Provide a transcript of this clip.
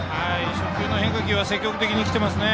初球の変化球は積極的に来ていますね。